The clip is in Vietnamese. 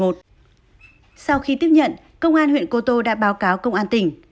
sau khi tiếp nhận công an huyện cô tô đã báo cáo công an tỉnh